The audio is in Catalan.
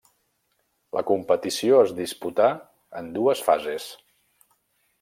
La competició es disputà en dues fases.